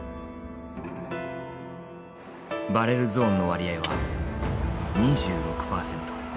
バレルゾーンの割合は２６％。